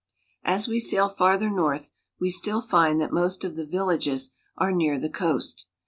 As we sail farther north we still find that most of the vil lages are near the coast.